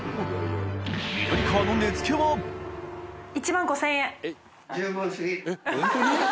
１万５０００円で。